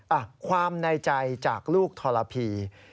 อ่ะความในใจจากลูกทรพี